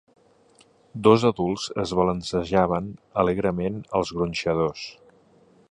Dos adults es balancejaven alegrement als gronxadors.